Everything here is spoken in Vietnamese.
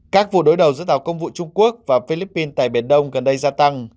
các vụ đối đầu giữa tàu công vụ trung quốc và philippines tại biển đông gần đây gia tăng